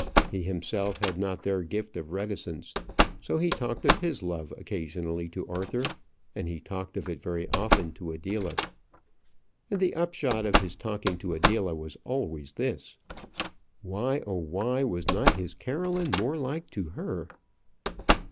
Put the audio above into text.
He himself had not their gift of reticence, so he talked of his love occasionally to Arthur, and he talked of it very often to Adela. And the upshot of his talking to Adela was always this: "Why, oh why, was not his Caroline more like to her?"